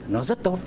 nó rất tốt